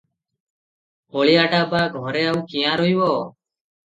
ହଳିଆଟା ବା ଘରେ ଆଉ କିଆଁ ରହିବ?